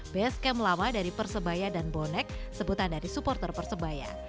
base camp lama dari persebaya dan bonek sebutan dari supporter persebaya